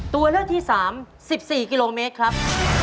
ตัวเลือกที่๓๑๔กิโลเมตรครับ